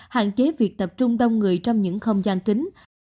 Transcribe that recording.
hạn chế việc tập trung đông người trong những không gian kính